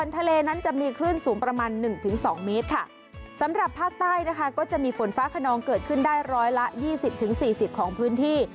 ใต้นะคะก็จะมีฝนฟ้าขนองเกิดขึ้นได้ร้อยละ๒๐๔๐ของพื้นที่